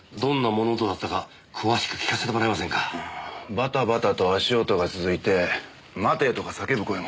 バタバタと足音が続いて「待て」とか叫ぶ声も。